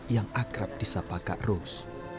yang akrab di sapa kak ros